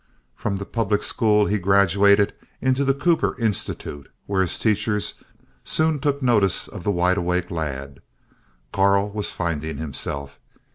From the public school he graduated into the Cooper Institute, where his teachers soon took notice of the wide awake lad. Karl was finding himself.